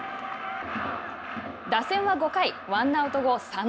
打線は５回ワンアウト後、佐野。